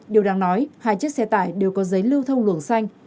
điều đáng nói hai chiếc xe tải đều có giấy lưu thông luồng xanh